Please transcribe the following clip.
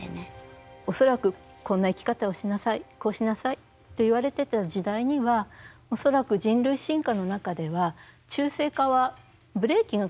恐らく「こんな生き方をしなさいこうしなさい」って言われてた時代には恐らく人類進化の中では中性化はブレーキがかけられていた。